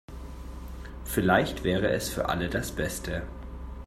Vielleicht wäre es für alle das Beste.